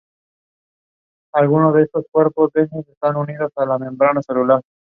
La imagen que se ve en ese momento recuerda a la crucifixión.